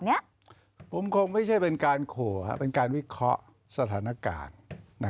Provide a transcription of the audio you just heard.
อันนี้ผมคงไม่ใช่เป็นการขู่เป็นการวิเคราะห์สถานการณ์